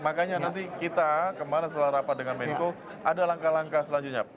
makanya nanti kita kemarin setelah rapat dengan menko ada langkah langkah selanjutnya